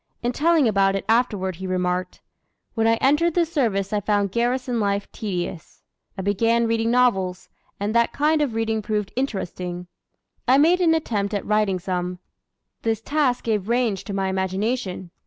In telling about it afterward he remarked: "When I entered the service I found garrison life tedious. I began reading novels, and that kind of reading proved interesting. I made an attempt at writing some; this task gave range to my imagination.